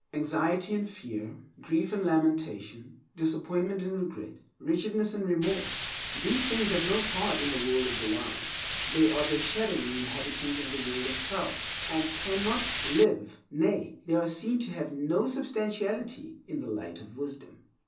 Anxiety and fear, grief and lamentation, disappointment and regret, wretchedness and remorse—these things have no part in the world of the wise. They are the shadowy inhabitants of the world of self, and cannot five, nay, they are seen to have no substantiality—in the light of wisdom.